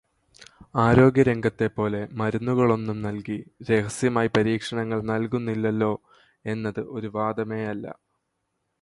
ആരോഗ്യരംഗത്തെ പോലെ മരുന്നുകളൊന്നും നൽകി രഹസ്യമായി പരീക്ഷണങ്ങൾ നൽകുന്നില്ലല്ലോ എന്നത് ഒരു വാദമേയല്ല.